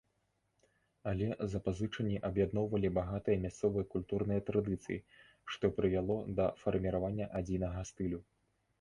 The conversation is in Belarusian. Але запазычанні аб'ядноўвалі багатыя мясцовыя культурныя традыцыі, што прывяло да фарміравання адзінага стылю.